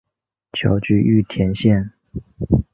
侨居玉田县。